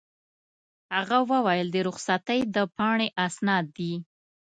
هغه وویل: د رخصتۍ د پاڼې اسناد دي.